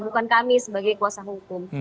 bukan kami sebagai kuasa hukum